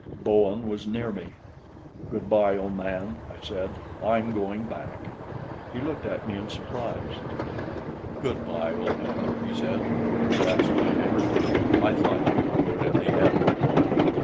Bowen was near me. "Good bye old man," I said. "I'm going back." He looked at me in surprise. "Good bye, old man," he said, and grasped my hand. "I thought you'd do it in the end."